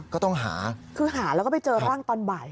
ก็ต้องหาคือหาแล้วก็ไปเจอร่างตอนบ่าย